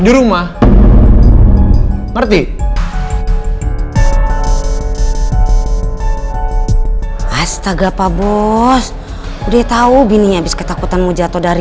di rumah berarti astaga pak bos udah tahu bininya habis ketakutanmu jatuh dari